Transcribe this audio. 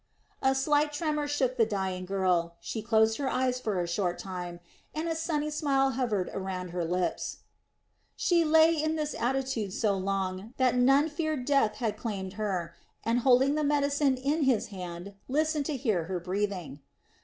A slight tremor shook the dying girl. She closed her eyes for a short time and a sunny smile hovered around her lips. She lay in this attitude so long that Nun feared death had claimed her and, holding the medicine in his hand, listened to hear her breathing.